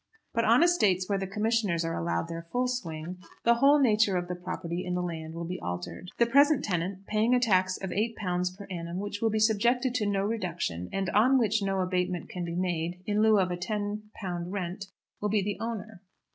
But on estates where the commissioners are allowed their full swing, the whole nature of the property in the land will be altered. The present tenant, paying a tax of £8 per annum which will be subjected to no reduction and on which no abatement can be made, in lieu of a £10 rent, will be the owner.